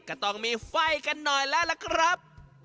ก็ต้องมีไฟกันหน่อยแล้วล่ะครับ